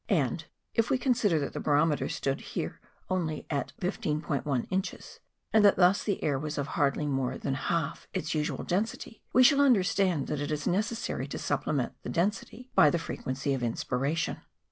And if we consider that the barometer stood there only at 15*1 inches, and that thus the air was of hardly more than half its usual density, we shall understand that it is necessary to supplement the density by the frequency of inspiration.